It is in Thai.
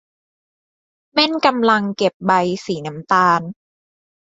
เม่นกำลังเก็บใบสีน้ำตาล